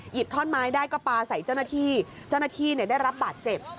ท่อนไม้ได้ก็ปลาใส่เจ้าหน้าที่เจ้าหน้าที่ได้รับบาดเจ็บ